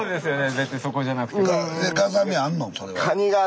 別にそこじゃなくても。